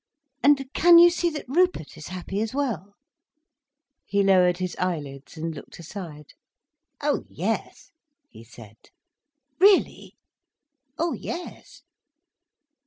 "And can you see that Rupert is happy as well?" He lowered his eyelids, and looked aside. "Oh yes," he said. "Really!" "Oh yes."